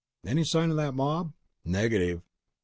"Any sign of that mob?" "Negative."